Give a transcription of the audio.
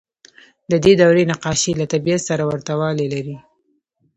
د دې دورې نقاشۍ له طبیعت سره ورته والی لري.